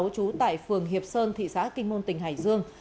trú tại phường hiệp sơn thị xã kinh môn tỉnh hải dương